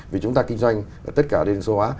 vì chúng ta kinh doanh tất cả đều số hóa